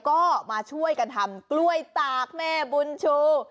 ก็มาช่วยกันทำกล้วยตากแม่บุญชู